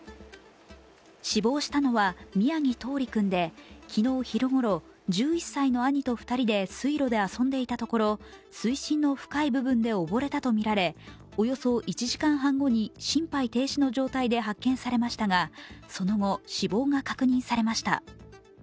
死亡したのは、宮城柊李君で、昨日昼ごろ、１１歳の兄と２人で水路で遊んでいたところ水深の深い部分で溺れたとみられおよそ１時間半後に心肺停止の状態で発見されましたがその後、死亡が確認されました。